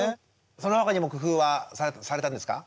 その他にも工夫はされたんですか？